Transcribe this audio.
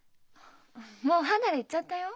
もう離れ行っちゃったよ。